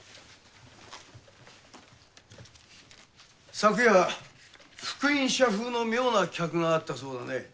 昨夜復員者風の妙な客があったそうだね。